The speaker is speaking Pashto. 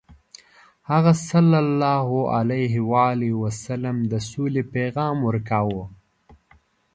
هغه ﷺ د سولې پیغام ورکاوه.